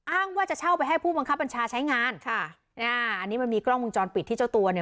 อ้างว่าจะเช่าไปให้ผู้บังคับบัญชาใช้งานค่ะอ่าอันนี้มันมีกล้องวงจรปิดที่เจ้าตัวเนี่ย